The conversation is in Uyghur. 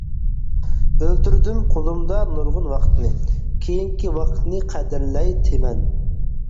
ئۆلتۈردۈم قولۇمدا نۇرغۇن ۋاقىتنى، كېيىنكى ۋاقىتنى قەدىرلەي تىمەن.